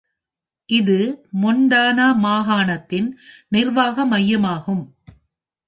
இது மொன்டானா மாகாணத்தின் நிர்வாக மையமாகும்.